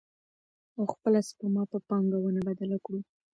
او خپله سپما په پانګونه بدله کړو.